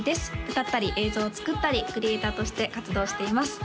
歌ったり映像を作ったりクリエイターとして活動しています